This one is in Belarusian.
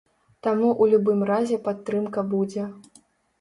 Таму ў любым разе падтрымка будзе.